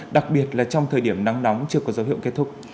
đặc biệt là trong thời điểm nắng nóng chưa có dấu hiệu kết thúc